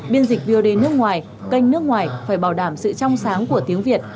biên dịch vod nước ngoài kênh nước ngoài phải bảo đảm sự trong sáng của tiếng việt